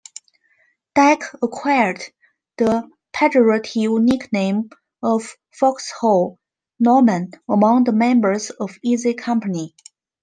Dike acquired the pejorative nickname of "Foxhole Norman" among the members of Easy Company.